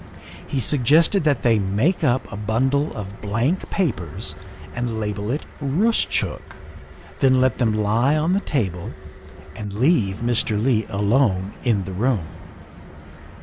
He suggested that they make up a bundle of blank papers and label it ' Roostchook,' then let them lie on the table and leave Mr. Leigh alone in the room.